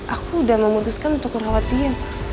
aku udah memutuskan untuk ngerawat dia